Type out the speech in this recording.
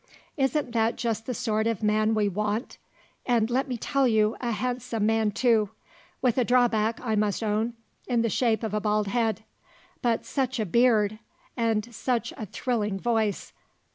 Isn't that just the sort of man we want? And, let me tell you, a handsome man too. With a drawback, I must own, in the shape of a bald head. But such a beard, and such a thrilling voice!